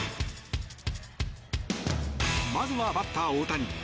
まずはバッター・大谷。